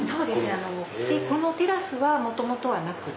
このテラスは元々はなくって。